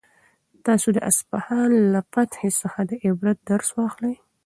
تاسو د اصفهان له فتحې څخه د عبرت درس واخلئ.